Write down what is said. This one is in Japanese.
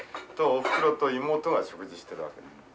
おふくろと妹が食事してるわけね。